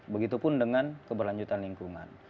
begitupun dengan keberlanjutan lingkungan